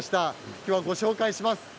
今日ご紹介します。